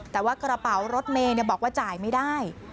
แต่ว่ากระเป๋ารถเมย์บอกว่าจ่ายไม่ได้